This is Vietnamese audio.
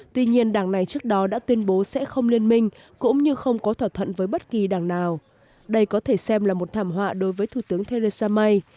tuy nhiên đảng này trước đó đã tuyên bố sẽ không liên minh cũng như không có thỏa thuận với bất kỳ đảng nào đây có thể xem là một thảm họa đối với thủ tướng theresa may